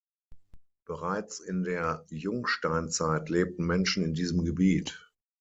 Bereits in der Jungsteinzeit lebten Menschen in diesem Gebiet.